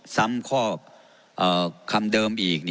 ซ้ำข้อคำเดิมอีก